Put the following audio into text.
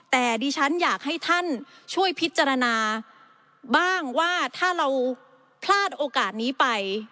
แต่ดิฉันอยากให้ท่านช่วยพิจารณาบ้างว่าถ้าเราพลาดโอกาสนี้ไป